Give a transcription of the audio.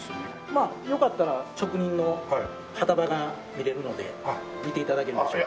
まあよかったら職人の機場が見れるので見て頂けないでしょうか？